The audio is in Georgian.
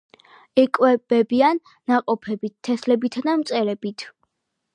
იკვებებიან ნაყოფებით, თესლებითა და მწერებით.